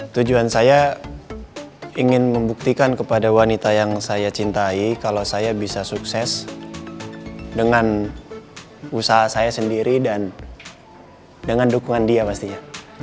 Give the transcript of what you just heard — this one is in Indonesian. tujuan saya ingin membuktikan kepada wanita yang saya cintai kalau saya bisa sukses dengan usaha saya sendiri dan dengan dukungan dia pastinya